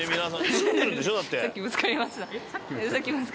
住んでるんでしょ？だって。